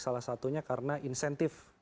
salah satunya karena insentif